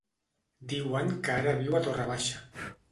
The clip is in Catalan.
Diuen que ara viu a Torre Baixa.